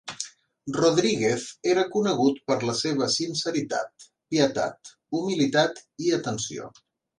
Rodríguez era conegut per la seva sinceritat, pietat, humilitat i atenció.